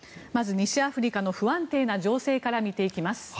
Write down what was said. まず西アフリカの不安定な情勢から見ていきます。